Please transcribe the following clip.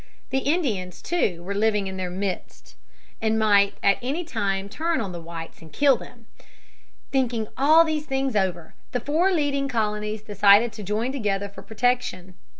The Indians, too, were living in their midst and might at any time turn on the whites and kill them. Thinking all these things over, the four leading colonies decided to join together for protection.